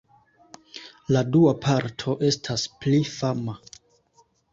La dua parto estas pli fama.